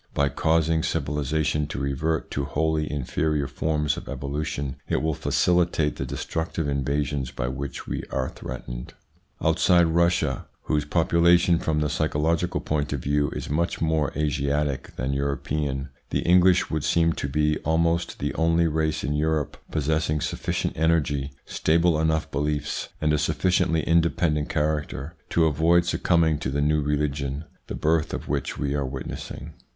By causing civilisation to revert to wholly inferior forms of evolution, it will facilitate the destructive invasions by which we are threatened. Outside Russia, whose population from the psycho logical point of view is much more Asiatic than European, the English would seem to be almost the only race in Europe possessing sufficient energy, stable enough beliefs, and a sufficiently independent character to avoid succumbing to the new religion the birth of which we are witnessing.